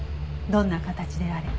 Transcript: どんな形であれ。